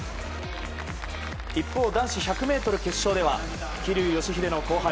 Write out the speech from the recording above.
一方、男子１００ｍ決勝では桐生祥秀の後輩